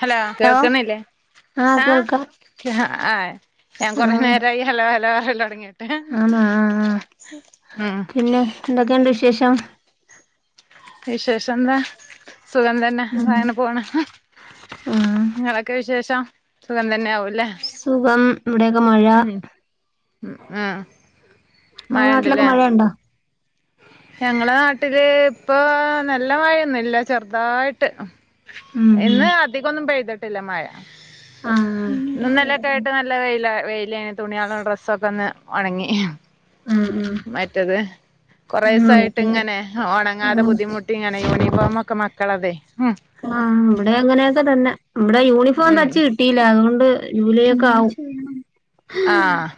Hello കേൾക്കുന്നില്ലേ ആഹ് കേൾക്കാം ഞാൻ കൊറേ ആഹ് നേരായി ഹലോ ഹലോ ഹലോടങ്ങീട്ടെ ആന്നാ എന്തൊക്കെണ്ട് വിശേഷം വിശേഷം എന്താ സുഖം തന്നെതയനെ പോണം ആഹ് നിങ്ങളൊക്കെ വിശേഷം സുഖം തന്നെ ആവുംല്ലേ സുഖം ഇവിടേക്കെ മഴ ആഏ നിങ്ങടെ നാട്ടിലക്കെ മഴയൊണ്ട ഞങ്ങളെ നാട്ടില് ഇപ്പൊ നല്ല മഴൊന്നുംല്ല ചെറുതായിട്ട് ഉം ഉം ഇന്ന് അധികൊന്നും പെയ്തിട്ടില്ല മഴ ആഹ് ഇന്നക്കായിട്ട് നല്ല വെയില വെയില തുണിയള ഡ്രസ്സൊക്കെ ഒന്ന് ഒണങ്ങി ആഹ് ആഹ് മറ്റത് കുറേസ ആയിട്ട് ആഹ് ഇങ്ങനെ ഒ ണങ്ങാതെ ബുദ്ധിമുട്ടി ഇങ്ങനെ യൂണിഫോമൊക്കെ മക്കളതെ ഉ ആഹ് ഇവടെ അങ്ങനെയൊക്കെ തന്നെ ഇവടെ യൂണിഫോം ഉം തയ്ച്ച് കിട്ട ട്ടീല്ല അതുകൊണ്ട് ജൂലൈ ഒക്കെ ആവും ആ‌ഹ്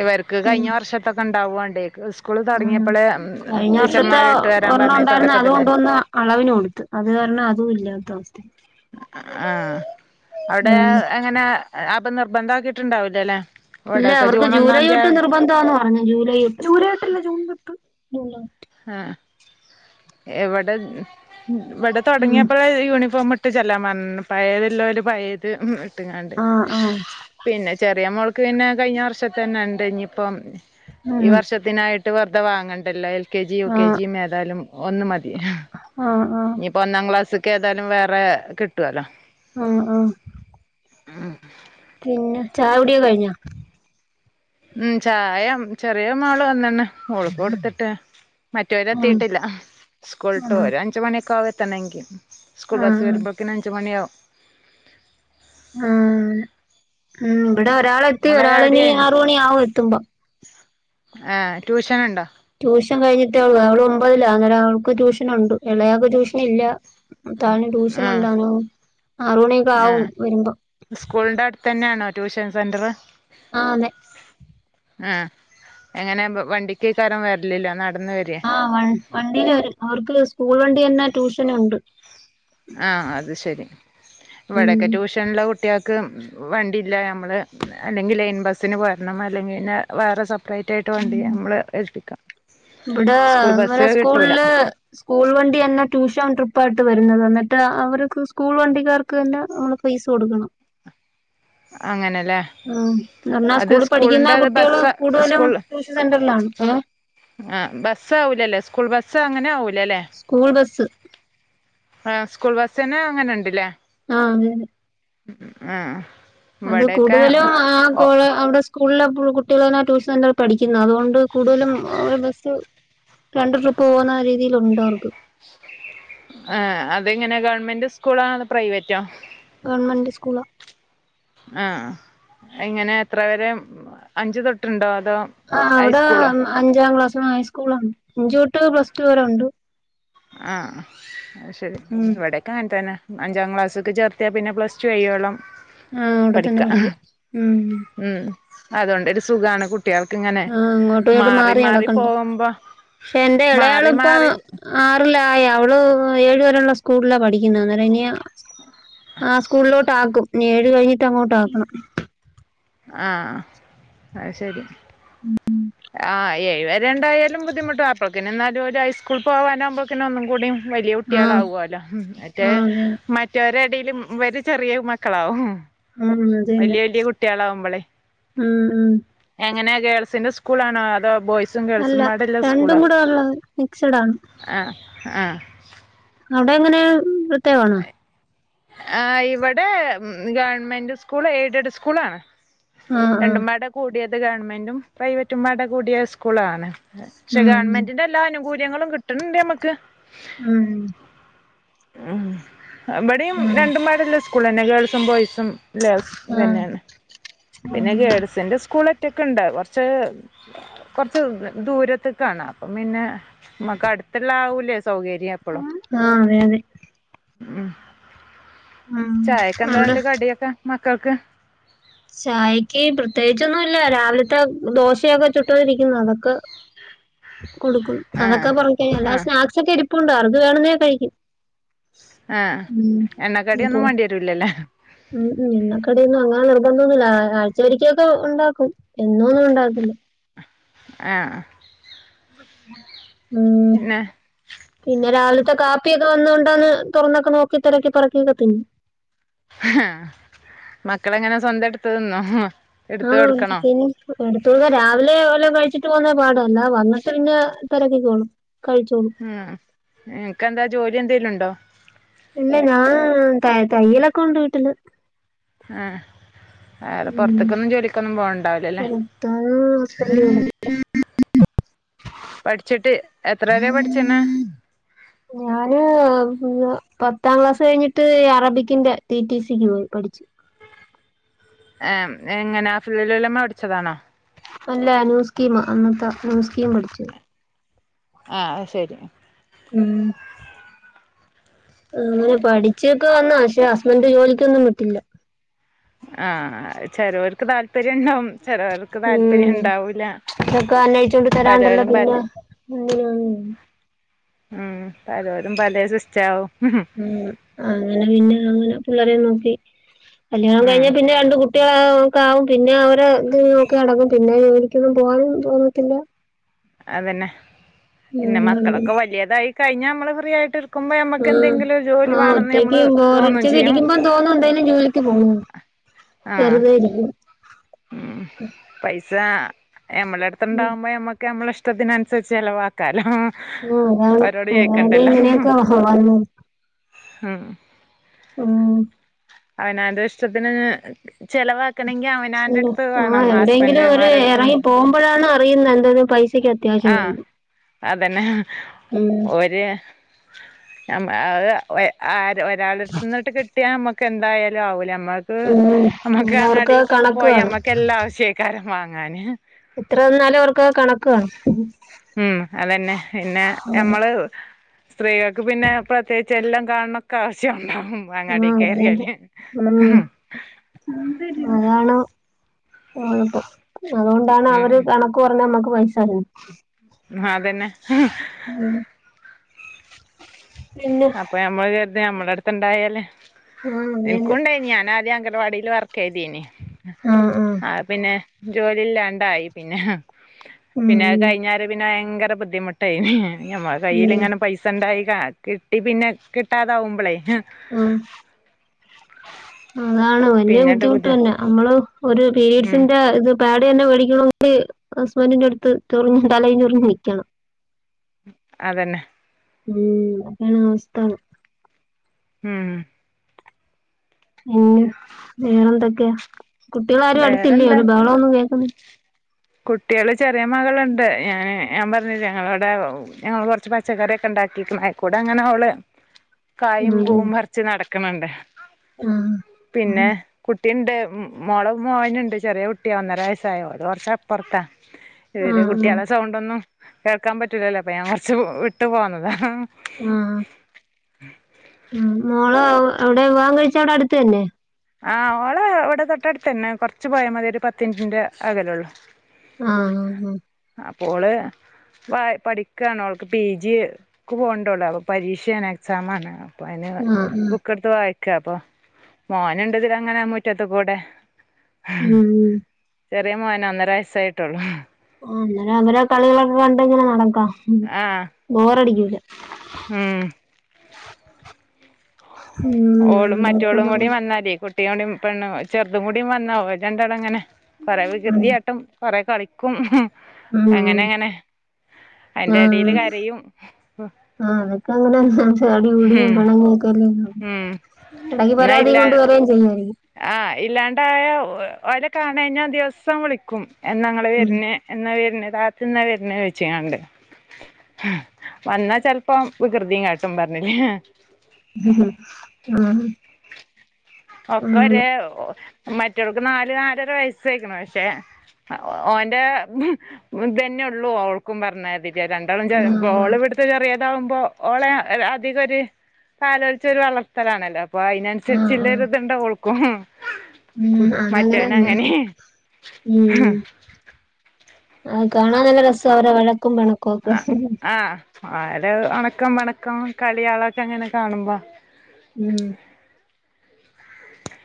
ഇവർക്ക് കഴിഞ്ഞ വർഷത്തൊക്കെ ഇണ്ടാവാണ്ടേ സ് സ്കൂള് ആഹ് തൊടങ്ങിയപ്പളേ കഴിഞ്ഞ വർഷത്തെ ടീച്ചർമാർ ഇട്ടു വരാൻ ഒരെണ്ണം പറഞ്ഞു ഉണ്ടായിരുന്നു അത് തുടക്കത്തിലെന്നെ കൊണ്ടുവന്ന് അളവിന് കൊടുത്ത് അത് കാരണം അതും ഇല്ലാത്ത അവസ്ഥ ആഹ് അവിടെ ഉം എങ്ങനെ അപ്പം നിർബന്ധം ആക്കിട്ടുണ്ടാവില്ലല്ലേ ഇല്ല അവർക്ക് ജൂലൈ തൊട്ട് നിർബന്ധാന്ന്‌ പറഞ്ഞു ജൂലൈ തൊട്ട് ആഹ് എവിടെ ഇവിടെ ഉം തുടങ്ങിയപ്പോഴ യൂണിഫോം ഇട്ട് ചെല്ലാ പറഞ്ഞ് പഴയത് ഇല്ലോല് പഴയത് ഇട്ട്ങ്ങാണ്ട് ആഹ് ആഹ് പിന്നെ ചെറിയ മോൾക്ക് പിന്നെ കഴിഞ്ഞ വർഷം തന്നെ ഉണ്ട് ഇനിയിപ്പം ഈ ഉം വർഷ ഇതിനായിട്ട് വെറുതെ വാങ്ങണ്ടല്ലോ L K G U K ആഹ് ജിയും ഏതായാലും ഒന്ന് മതി ആഹ് ആഹ് ഇനിയിപ്പോ ഒന്നാം ക്ലാസ്സ്ക്ക് ഏതായാലും വേറെ കിട്ടുവല്ലോ ആഹ് ആഹ് ഉം പിന്നെ ചായ കുടിയൊക്കെ കഴിഞ്ഞോ ഉം ചായ ചെറിയ മാള് വന്നണ് ഓൾക്ക് കൊടുത്തിട്ട് ആഹ് മറ്റവരെത്തിട്ടില്ല സ്കൂളിട്ട് ആഹ് ഒരു അഞ്ച് മണിയൊക്കെ ആവും എ ത്തണങ്കി സ്കൂൾ ബസ്സ് ആഹ് ആഹ് വരുമ്പോക്കിന് അഞ്ച് മണിയാവും ആഹ് ആഹ് ഇവിടെ ഒരാളെത്തി മോളെ ഒരാളിനി ആറ മണി ആവും എത്തുമ്പം ആഹ് ട്യൂഷൻ ഇണ്ടോ ട്യൂഷൻ കഴിഞ്ഞിട്ട അവൾ ഒമ്പതില അന്നേരം അവൾക്ക് ട്യഷനുണ്ട് എളയാൾക്ക് ട്യൂഷൻ ഇല്ല താന് ട്യൂഷൻ ആ ഉണ്ടാനും ആറ് മണിയൊക്കെ ആ ആകും വരുമ്പോ സ്കൂളിന്റെ അടുത്ത് തന്നെയാണോ ട്യൂഷൻ സെന്റർ ആഹ് അതെ ആഹ് എങ്ങനെ വണ്ടിക്ക് അയ്ക്കാരം വരലില്ലേ നടന്ന്‌ വരേ ആ വണ്ടിൽ വരും അവർക്ക് സ്കൂൾ വണ്ടി തന്നെ ട്യൂഷനുണ്ട് ആഹ് അത് ശരി ഉം ഇവിടക്കെ ട്യൂഷ ഷനുള്ള കുട്ടികൾക്ക് വണ്ടിയില്ല നമ്മൾ അല്ലെങ്കിൽ ലൈൻ ബസ്സിന് പോരണം അല്ലെങ്കിൽ പിന്നെ വേറെ സെപ്പറേറ്റ് ആയിട്ട് വണ്ടി നമ്മള് ഏൽപ്പിക്കാം ഇവിടാ സ്കൂൾ ബസ്സ് ഇവരെ കിട്ടൂല സ്കൂൾല് സ്കൂൾ വണ്ടി തന്നെ ട്യൂഷൻ ട്രിപ്പ് ആയിട്ട് വരുന്നത് എന്നിട്ട് അവർക്ക് സ്കൂൾ വണ്ടിക്കാർക്ക് തന്നെ [unintelligible] ഫീസ് കൊടുക്കണം അങ്ങനെല്ലേ ആഹ് എന്ന് പറഞ്ഞാ അത് സ്കൂളിൽ പഠിക്കുന്ന സ്കൂളിന്റെ അത് കുട്ടികൾ ബസ്സ് കൂടുതലും സ്കൂൾ ട്യൂഷൻ സെന്ററിലാണ് ഏഹ് ആഹ് ബസ് ആവൂലല്ലേ സ്കൂൾ ബസ്സ് അങ്ങനെ ആവൂലലേ സ്കൂൾ ബസ് ആഹ് സ്കൂൾ ബസ്സെന്നെ അങ്ങനെണ്ടല്ലേ ആഹ് അതതെ ആഹ് അത് ഇവിടെക്കെ കൂടുതലും ആ ഓ കോള് അവിടെ സ് സ്കൂൾലെ കുട്ടിളെന്നെ ട്യൂഷൻ സെന്ററിൽ പഠിക്കുന്നെ അതുകൊണ്ട് കൂടുതലും ഒര് ബസ്സ് രണ്ട് ട്രിപ്പ്‌ പോവുന്ന ആ രീതിയില് ഉണ്ടവർക്ക് ഏഹ് അതെങ്ങനെ ഗവൺമെന്റ് സ്കൂളാണ് പ്രൈവറ്റോ ഗവർൺമെന്റ് സ്കൂള ആഹ് എങ്ങനെ എത്ര വെരെ അഞ്ചു തൊട്ടുണ്ടോ അതോ ആഹ് അവടെ ഹൈസ്കൂളോ അഞ്ചാം ക്ലാസ് ഹൈസ്കൂളാണ് അഞ്ച് തൊട്ട് പ്ലസ്ടു വരെ ഉണ്ട് ആഹ് അഹ് ശരി ഉം ഇവടെ ക്കങ്ങൻ തന്നെ അഞ്ചാം ക്ലാസ്സ്ക്ക് ചേർത്തിയാ പിന്നെ പ്ലസ് ടു കഴിയോള്ളം. ആഹ് അവടെ തന്നെ പഠിക്കാം മ്മ് മ്ഹ് അതൊണ്ടൊരു സുഖാണ് കു ട്ട്യോൾക്ക് ങ്ങെനെ ആഹ് അങ്ങോട്ടുംഇങ്ങോട്ട് മാറി നടക്കണ്ട ഷെ എന്റെ മാറി എളെയാള്പ്പ മാറി ആറിലായി അവള് ഏഴു വരെയുള്ള സ്കൂൾല പഠിക്കുന്ന അന്നേരം ഇനിയ ആഹ് സ്കൂളോട്ട് ആക്കും ഏഴ് കഴിഞ്ഞിട്ട് അങ്ങോട്ട് ആക്കണം ആഹ് അഹ്ശരി ആഹ് എഴുവരെണ്ടായാലും ബുദ്ധിമുട്ട അപ്പോൾക്ന് ന്നാലും ഒരു ഹൈസ്കുൾക് പോവാനവുമ്പോക്ന് ഒന്നുകൂടിം വല്യയ ആഹ് കുട്ട്യേളവൊലൊ മറ്റേ ആഹ് അതെ മറ്റ് മറ്റൊരെടില് ഇവര് ചെറിയ മക്കളാവും ഉം അതന്നെ വലിയ വലിയ മ്മ്ഹ് ഉം എങ്ങനെ ഗേൾസിന്റെ സ്കൂളാണോ അതോ ബോയ്സ് അല്ല സുംഴഗേൾസും ബാടെള്ള സ്കൂള രണ്ടും കൂടെ ഉള്ളത് മിക്സഡ് ആണ് ആഹ് ആഹ് അവ്ടെ എങ്ങനെ. പ്രത്യകാണോ ആഹ് ഇവടെ ഗവൺമെന്റ് സ്കൂൾ എയ്ഡഡ് സ്കൂളാണ് ആഹ് ആഹ് രണ്ടും ബാടെ കൂടിയത് ഗവണ്മെന്റും പ്രൈവറ്റും ബാടെ കൂടിയ സ്കൂളാണ് ക്ഷെ ഉം ഗവൺമെന്റിന്റെ എല്ലാ അനുകൂല്യങ്ങളും. കിട്ട്ണ് ണ്ട് ഞമ്മക്ക് മ്മ് ഉം ഇബടിം ഉം രണ്ടുംബാടെളള സ്കൂളെന്നെ ഗേൾസും ബോയ്സും ളെ ആഹ് ആഹ് ഇതെന്നെണ് പിന്നെ ഗേൾസിന്റെ സ്കൂൾ ഒറ്റക്ണ്ട് കൊർച്ച് കൊറച്ച് ദൂരത്ക്കാണ് അപ്പം പിന്നെ മ്മ ക്ക് അടുത്ള്ളവൂലേസൗകര്യം ആഹ് അതെ അതെ മ്ഹ് ഉം അവിടെ ചായകെന്താന്നട്ട് കടിയൊക്കെ മക്കക്ക് ചായക്ക് പ്രത്യേകിച്ചൊന്നുല്ല രാവില് ത്തെ ദോശയൊക്കെ ചുട്ടെതിരിക്കുന്നു. അതൊക്കെ കൊടുക്കും ആ അതൊക്കെ കൊറികൽ അല്ല ആ സ്നാക്സ് ഒക്കെ ഇരിപ്പുണ്ട് അത് വെർണെ കഴിക്കും ആഹ് ഉം എണ്ണക്കടിയൊന്നും മാണ്ടിയെരൂലല്ലേ മ്മ്ഹ്ഹ് എണ്ണകടി അങ്ങനെ നിർബന്ധൊന്നുല്ല ആഴ്ചരിക്കൊക്കെ ഉണ്ടാക്കും എന്നോ ഒന്നും ഉണ്ടാകില്ല ആഹ് പിന്നെ മ്മ്ഹ്ഹ്.. പിന്നെ രാവിലത്തെ കാപ്പിയൊക്കെ വന്ന കൊണ്ടന്ന് തൊറന്നൊക്കെ നോക്കി തെരക്കി പെറക്കിക്കെ തിന്നു ഹ്ഹ് മക്കളെങ്ങനെ സ്വന്തം ഇട്ത്ത് തിന്നോ എടുത്ത് ആഹ് കൊടുക്കണോ തിന്ന് എടുതൊളുന്ന രാവിലെ വല്ല കഴിച്ചിട്ട് പോന്ന പാട അല്ലവന്നട്ട് പിന്നെ തെരകിക്കോളും കഴിച്ചോളൂ മ്ഹ. ഇങക്ക് എത്നാ ജോലി എന്തേലും ഉണ്ടോ ഇല്ല ഞാ ഹ്ഹ് തയ്യ തയ്യലൊകൊണ്ട് വീട്ടില് ആഹ് അഹ് ഉം പൊർത്ക്കൊന്നും ജോലിക്കൊന്നും പോകൻണ്ടാവലല്ലേ [unintelligible] പഠിച്ചിട്ട് എത്ര വരെ പഠിച്ച്ണ് ഞാന് ഹ്ഹ് പത്താം ക്ലാസ് ഴിഞ്ഞിട്ട് അറബിക്കിന്റെ ടി ടി സിക്ക് പോയി പഠിച്ചു. യേം എങ്ങനെ അഫുള്ളുലമ്മ പഠിച്ചതാണോ അല്ല ന്യൂ സ്കീമ അന്നത്തെ ന്യൂ സ്കീം പഠിചു ആഹ് അത് ശരി. ഉം അങ്ങനെ പഠിച്ചൊക്കെ വന്നാ പക്ഷെ ഹസ്ബന്റ് ജോലിക്കൊന്നും വിട്ടില്ല. ആഹ് ചേലോർ ക്ക് താല്പര്യ ണ്ടാവും. ചെലോർക്ക് ഉം താല്പര്യം ണ്ടാവൂല ഇതൊക്കെ അന്വേഷിച്ചോണ്ട് തരാണ്ടല്ലോ പലരും പല പിന്നെ ഉം ഉം പലോരും പലേ സിസ്റ്റാവും. ആഹ് അങ്ങനെ പിന്നെ അങ്ങനെ പിള്ളേരേം നോക്കി കല്യാണം ഉം കഴിഞ്ഞാ പിന്നെ രണ്ട് കു ട്ട്യേളെക്കാവും പിന്നെ അവരെ ഇത് നോക്കി നടക്കും പിന്നെ ജോലിക്കൊന്നും പോകാനും തോന്നത്തില്ല. അതന്നെ പിന്നെ മക്കളൊക്കെ വല്ല്യ തായി കഴിഞ്ഞാ നമ്മള് ഫ്രീ ആയിട്ട്. ഇരിക്കുമ്പോ നമ്മക്ക് ഉം എന്തെങ്കിലും ഒരു ജോലി ആഹ് വേണംന്ന് ഒറ്റക്ക് നമ്മള് തോന്നും ബോറടിച്ചൊക്കെ ചെയ്യും ഇരിക്കുമ്പം തോന്നും എന്തേലും ജോലിക്ക് പോണോന്ന്. ആ വെറുതെ ഇരിക്ക്യും. ഉം പൈസ നമ്മള ഉം ട്ത്തുണ്ടാവുമ്പോ ഞമ്മക്ക് അമ്മള ഇഷ്ടത്തിനനുസരിച്ച് ചെലവാ കാല ആഹ് അതാണ് അവരോട് അതായത് ചോയിക്കണ്ടല്ലോ. ഇങ്ങനെയൊക്കെ വന്നു ഉം ഉം അവനാന്റെ ഇഷ്ടത്തിന് ചെലവാക്കണെങ്കിൽ അവനാ ആഹ് എവിടെയെങ്കിലും ഒരു എറങ്ങി പോകുമ്പഴണ് അറിയുന്നെ എന്തേലും പൈസക്ക് അത്യാവശ്യം ആഹ് വരുമ്പം അതന്നെ ഓരെ. അത് ആര് ഒരാളട്ത്ന്ന്ട്ട് കിട്ടിയാ നമ്മക്ക് എന്തായാലും ആവൂല നമ്മ ഉം നമ്മക്ക് അവർക്ക് അങ്ങടക്കൊക്കെ കണക്ക് പോയി കാണും അമ്മക്ക് എല്ലാ ആവശ്യക്കാരും വാങ്ങാന് എത്രന്നാലും അവർക്ക് കണക് ഉം അതന്നെ പിന്നെ നമ്മള്. സ്ത്രീകൾക്ക് പിന്നെ പ്രത്യേകിച്ച് എല്ലാം കാണൊക്കെ ആവശ്യണ്ടാവും. അങ്ങാടി കയറിയാല്. അതാണ്കൊഴപ്പം അതോണ്ടാണ് അവര് കണ ക്ക് പർഞ്ഞ് നമ്മക്ക് പൈസര്ന്നത്. അതന്നെ. ഉം അപ്പൊ ഞമ്മള് കര്തു ഞമ്മളെട്ത്ത് ഇണ്ടായാല് ആഹ് അതന്നെ ഇൻക്കുണ്ടേനി ഞാനാദ്യം അങ്കണവാടില് വർ ക്കെയ്തീനി. ആഹ് ആഹ്. ആഹ് പിന്നെ ജോലി ഇല്ലാണ്ടായി പിന്നെ ഉം പിന്നെ അയ് കയിഞ്ഞാരെ പിന്നെ ഭയങ്കര ബുദ്ധി ദ്ധി മുട്ടേനി ഞമ്മളെ കയ്യില് ഉം ങ്ങനെ പൈസ ഉണ്ടായി കാ കിട്ടി പിന്നെ കിട്ടാതാവുമ്പളെ. ആഹ് അതാണ് വല്ല്യ പിന്നെട്ട് ബുദ്ധിമുട്ട് ബുദ്ധി തന്നെ നമ്മള് ഒര്. ഉം പീരീഡ്സിന്റെ ഇത്. പാഡ് തന്നെ വേടിക്കണങ്കി ഹസ്ബൻഡിന്റെ അട്ത്ത് ചൊറിഞ് തലേം ചൊറിഞ്ഞ് നിക്കണം. അതന്നെ ഉം അതാണ് അവസ്ഥ. ഉം ഉം വേറെ എന്തൊക്കെയാ കുട്ടികളാരും അടുത്തില്ലേ വേറെന്താ ഒരു ബഹളോം ഒന്നും കേൾക്കുന്നി കുട്ട്യേള് ചെറിയ മകളുണ്ട് ഞാന് ഞാൻ പറഞ്ഞില്ലേ ഞങ്ങളിവിടെ. ഞങ്ങള് കൊർച്ച് പച്ചക്കറിയൊക്കെ ഉണ്ടാക്കിക്ക്ണ് അയിക്കൂട ങ്ങനെ ഓള്. കായിം ഉം പൂവും പറിച്ച് നടക്കണണ്ട് ആഹ് ഉം പിന്നെ. കുട്ടിയണ്ട് മോള മോനുണ്ട് ചെറിയ കുട്ടിയോ ഒന്നര വയസായോ അത് കുറച്ചപ്പുറത്താ ഇതില് ആഹ് ആഹ് കുട്ട്യേളെ സൗണ്ടൊന്നും കേൾക്കാൻ പറ്റൂല്ലല്ലോ അപ്പൊ ഞാൻ കൊർച്ച് വിട്ട് പോന്നത. ആഹ് ഉം മോള അവിടെ വിവാഹം കഴിച്ച അവിടെ അട്ത്ത് തന്നെ? ആഹ് ഓളെ ഇവിടെ തൊട്ടടുത്ത് തന്നെ കൊർ ച്ച് പോയാ മതി ഒരു പത്ത് മിൻറ്റിന്റെ അകലൊള്ളു. ആഹ് ആഹ് ആഹ് അപ്പോ ഒള് പഠി പഠിക്കുക്യാണോ ഒൾക്ക് പി ജിക്ക് പോകേണ്ടേ ഒള്ളൂ അപ്പേ പരീക്ഷയാണ് എക്സാമാണ് അപ്പോ അയിന് ആഹ് ആഹ് ബുക്കെട്ത്ത് വായിക്ക്യയാ അപ്പം [unintelligible] മുറ്റത്ത് കൂടെ ഉം ചെറിയ മോനാ ഒന്നരാ വയസ്സായിട്ടേള്ളു ആഹ് അന്നൊരം അവര് കളികളൊക്കെ കണ്ട് ഇങ്ങനെ നടക്കാം ആഹ് ബോറടിക്ക്യൂല്ലാ ഉം ഓളും ഉം മറ്റോളും കൂടി വന്നാലേ കുട്ടി ഒന്നും പെണ്ണ് ചെറുതും കൂടി വന്നാ ഓല് രണ്ടാളും അങ്ങനെ കുറെ വികൃതിയാട്ടും കുറെ കളി ക്കും അങ്ങനെ ഉം അങ്ങനെ അയിന്റെ ആഹ് എടേല് കരയും ആഹ് അവക്ക അങ്ങനെ ഉം [unintelligible] ഉം എടക്ക് എന്നാ പരാതിയും കൊണ്ട് ഇല്ല വെരേയും ചെയ്യാരിക്കും ആഹ് ഇല്ലാണ്ടായ ഓലേ കാണാഞ്ഞാ ദിവസം വിളിക്കും എന്നാ ഇങ്ങള്‌ ഉം വെര്ണേ എന്നാ വര്ണേ താത്ത എന്നാ വരണ്ടേ ചോയ്ച്ചി കാണ്ട് വന്നാ ചെലപ്പോ വികൃതിയും കാട്ടും [unintelligible] ഉം ഉം ആഹ് ഒക്കെ അങ്ങനെ ഒരേ മറ്റവൾക്ക് നാല് നാലരാ വയസ്സായിക്ക്ണ് പക്ഷേ ഓന്റെ ഇത് അന്നെ ഒള്ളൂ ഓൾക്കും പറഞ്ഞാല് രണ്ടാളും ചെറി ആഹ് ഓള് ഇവട്ത്തെ ചെറിയേ താവുമ്പോ ഓളേ അധികം ഒര് താലൊലിച്ചല് ത്താണല്ലോ അപ്പൊ അയ്ന് അന്സരിച്ച് ആഹ് ഉള്ള ആഹ് ഒരിത് ഇണ്ടാവും ഓൾക്കും കു ഉം അതങ്ങനെ മറ്റോന് തന്നെ അങ്ങനെ ഉം ആഹ് കാണാൻ നല്ല രസാ അവരെ വഴക്കും പെണ ആഹ് ആഹ് അവരേ എണക്കം പെണക്കം കളിയാളൊക്കെ ഇങ്ങനെ കാണുമ്പം ഉം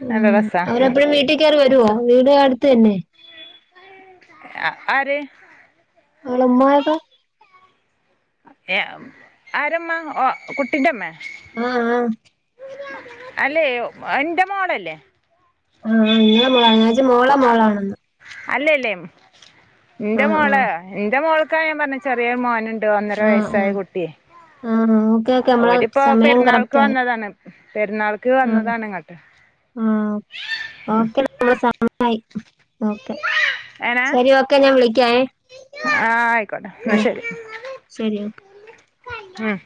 ഉം നല്ല രസാ അവര് എപ്പഴും വീട്ടി കേറി വരുവോ വീട് അടുത്ത്ന്നേ അ ആര് ഒളേ ഉമ്മായൊക്കെ എ ആരെ ഉമ്മാ ഒ കുട്ടിന്റെ ഉമ്മേ ആഹ് ആഹ് അല്ലേ എന്റെ മോള് അല്ലേ ആഹ് നിങ്ങളെ മോളാ ഞാൻ വിചാരിച്ച് മോളെ മോളാണാന്ന് അല്ല അല്ലേ എന്റെ ആഹ് മോള് ആഹ് എന്റെ മോൾക്കാ ഞാൻ പറഞ്ഞേ ചെറിയ മോന് ണ്ട് ഒന്നരാ ആഹ് വയസ്സായ ആഹ് കുട്ടിയേ ആഹ് ഓക്കെ ഓക്കെ നമ്മളെ ഒര് ഇപ്പോ സമയം പെരുന്നാൾക്ക് കറക്റ്റായി വന്നതാണ് പെരുന്നാൾക്ക് ആഹ് വന്നതാണ് ഇങ്ങോട്ട് ആഹ് [unintelligible] ഓക്കെ ശേരി ഓക്കെ ഞാൻ വിളിക്ക്യായേ ആഹ് ആയിക്കോട്ടെ ന്നാ ശെരി ശരി ഓ ഉം